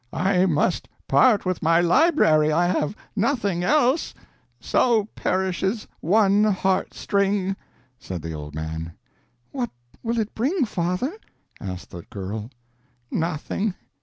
"I must part with my library I have nothing else. So perishes one heartstring," said the old man. "What will it bring, father?" asked the girl. "Nothing!